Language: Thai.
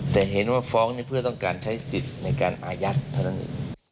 แต่เห็นว่าฟ้องเพื่อต้องการใช้สิทธิ์ในการอายัดเท่านั้นเอง